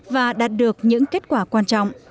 và đạt được những kết quả quan trọng